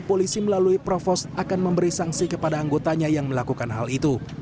polisi melalui provos akan memberi sanksi kepada anggotanya yang melakukan hal itu